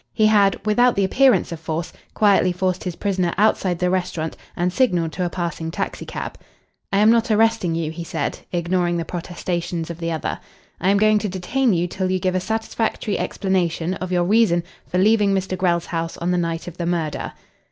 He had, without the appearance of force, quietly forced his prisoner outside the restaurant and signalled to a passing taxicab. "I am not arresting you," he said, ignoring the protestations of the other. "I am going to detain you till you give a satisfactory explanation of your reason for leaving Mr. Grell's house on the night of the murder."